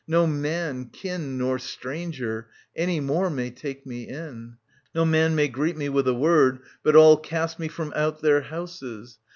No man, kin Nor stranger, any more may take me in ; No man may greet me with a word, but all Cast me from out their houses.